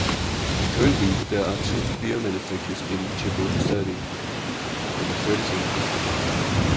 Currently, there are two beer manufacturers in Cheboksary, and a third is under construction.